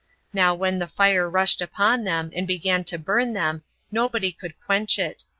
Now when the fire rushed upon them, and began to burn them, nobody could quench it.